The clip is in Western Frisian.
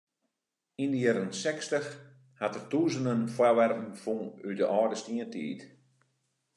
Yn de jierren sechstich hat er tûzenen foarwerpen fûn út de âlde stientiid.